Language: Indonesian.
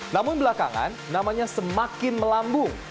namun belakangan namanya semakin melambung